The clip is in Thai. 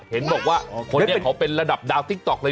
เห็นบอกว่าคนนี้เขาเป็นระดับดาวติ๊กต๊อกเลย